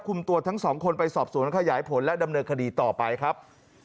ตัวทั้งสองคนไปสอบสวนขยายผลและดำเนินคดีต่อไปครับ